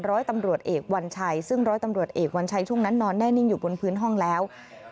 ร้อยตำรวจเอกวัญชัยซึ่งร้อยตำรวจเอกวัญชัยช่วงนั้นนอนแน่นิ่งอยู่บนพื้นห้องแล้ว